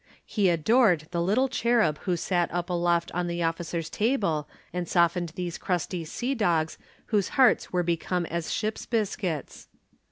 He adored the little cherub who sat up aloft on the officers' table and softened these crusty sea dogs whose hearts were become as ship's biscuits.